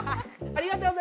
ありがとう。